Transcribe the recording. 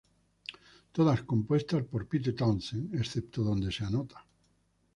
Todas compuestas por Pete Townshend excepto donde se anota.